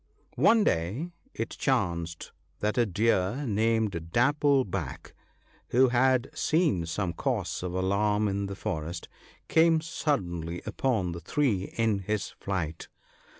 One day it chanced that a Deer named Dapple back ( 40 ), who had seen some cause of alarm in the forest, came suddenly upon the three in his flight.